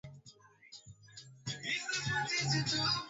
Epua viazilishe vyako